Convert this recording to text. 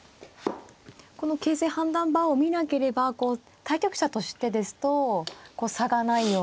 この形勢判断バーを見なければこう対局者としてですと差がないような。